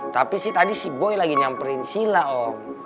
tapi sih tadi si boy lagi nyamperin sila om